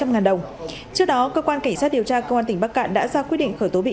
sáu trăm linh ngàn đồng trước đó cơ quan cảnh sát điều tra công an tỉnh bắc cạn đã ra quyết định khởi tố bị